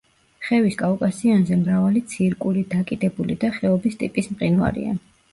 ხევის კავკასიონზე მრავალი ცირკული, დაკიდებული და ხეობის ტიპის მყინვარია.